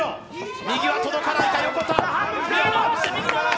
右は届かないか横田。